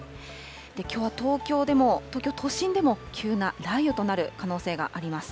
きょうは東京でも、東京都心でも、急な雷雨となる可能性があります。